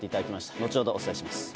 後ほどお伝えします。